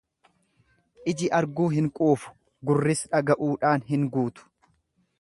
iji arguu hin quufu; gurris dhaga'uudhaan hin guutu;